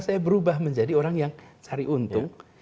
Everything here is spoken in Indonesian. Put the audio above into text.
saya berubah menjadi orang yang cari untung